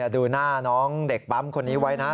ดูหน้าน้องเด็กปั๊มคนนี้ไว้นะ